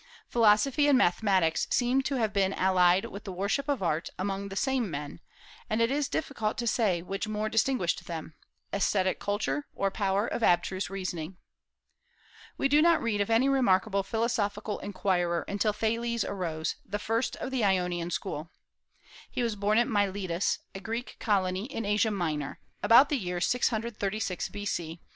Philosophy and mathematics seem to have been allied with the worship of art among the same men, and it is difficult to say which more distinguished them, aesthetic culture or power of abstruse reasoning. We do not read of any remarkable philosophical inquirer until Thales arose, the first of the Ionian school. He was born at Miletus, a Greek colony in Asia Minor, about the year 636 B.C.